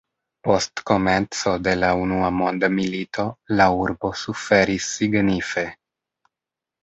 Post komenco de la Unua Mondmilito la urbo suferis signife.